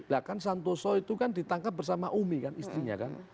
bahkan santoso itu kan ditangkap bersama umi kan istrinya kan